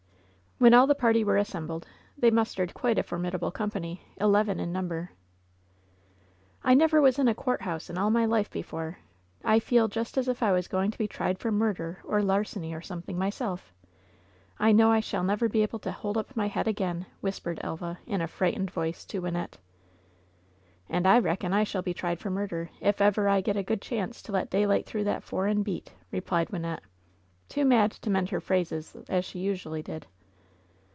When all the party were assembled, they mustered quite a formidable company — eleven in number. "I never was in a courthouse in all my life before! I feel just as if I was going to be tried for murder or larceny, or something, myself! I know I shall never be able to hold up my head again !" whispered Elva, in a frightened voice, to Wynnette. "And I reckon I shall be tried for murder, if ever I get a good chance to let daylight through that foreign beat !'' replied Wynnette, too mad to mend her phrases as she usually did.